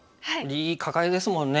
いいカカエですもんね。